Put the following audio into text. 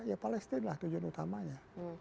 ya palestina tujuan utamanya